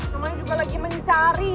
temennya juga lagi mencari